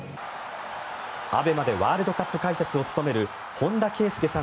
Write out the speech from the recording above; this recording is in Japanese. ＡＢＥＭＡでワールドカップ解説を務める本田圭佑さん